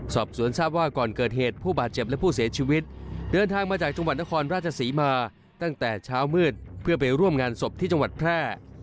สอบสวนทราบว่าก่อนเกิดเหตุผู้บาดเจ็บและผู้เสียชีวิตเดินทางมาจากจังหวัดนครราชศรีมาตั้งแต่เช้ามืดเพื่อไปร่วมงานศพที่จังหวัดแพร่